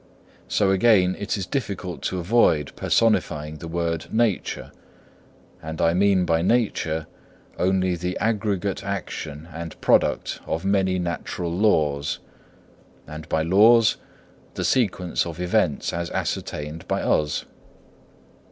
So again it is difficult to avoid personifying the word Nature; but I mean by nature, only the aggregate action and product of many natural laws, and by laws the sequence of events as ascertained by us.